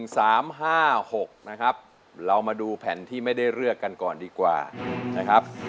สามห้าหกนะครับเรามาดูแผ่นที่ไม่ได้เลือกกันก่อนดีกว่านะครับ